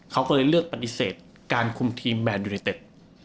เขาก็เลยเลือกปฏิเสธการคุมทีมแบนยูนิเต็ด